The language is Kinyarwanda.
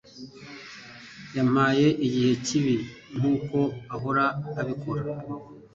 Yampaye igihe kibi, nkuko ahora abikora.